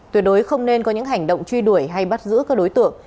tuyệt đối không nên có những hành động truy đuổi hay bắt giữ các đối tượng